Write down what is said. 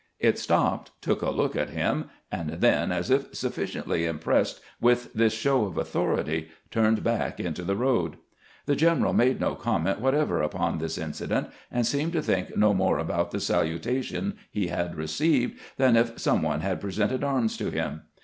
It stopped, took a look at him, and then, as if sufficiently impressed with this show of au thority, turned back into the road. The general made no comment whatever upon this incident, and seemed to think no more about the salutation he had received than if some one had presented arms to him.